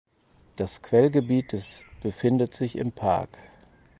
Das Quellgebiet des befindet sich im Park.